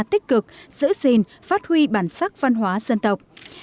thủ tướng mong hội mở ra tích cực giữ gìn phát huy bản sắc văn hóa dân tộc